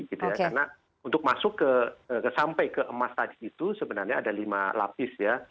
karena untuk masuk sampai ke emas tadi itu sebenarnya ada lima lapis ya